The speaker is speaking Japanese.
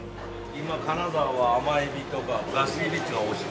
今金沢は甘エビとかガスエビっていうのがおいしい。